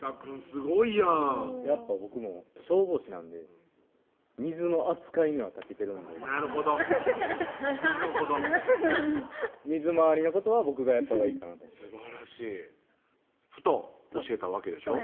すごいやんやっぱ僕も消防士なんで水の扱いにはたけてるんでなるほどなるほど水回りのことは僕がやったほうがいいかなとすばらしいふと教えたわけでしょ？